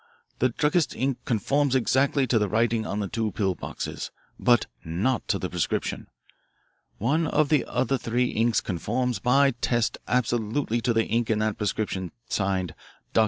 The druggist's ink conforms exactly to the writing on the two pill boxes, but not to the prescription. One of the other three inks conforms by test absolutely to the ink in that prescription signed 'Dr. C.